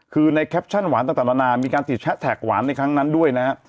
คือในแคปชั่นหวานต่างนานามีการติดแฮชแท็กหวานในครั้งนั้นด้วยนะฮะ